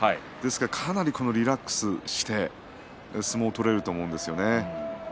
かなりリラックスして相撲を取れると思うんですよね。